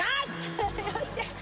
よっしゃ